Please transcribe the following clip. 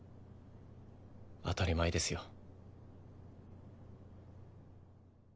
当たり前ですよ。